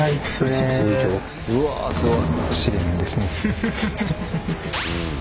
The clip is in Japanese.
うわすごい！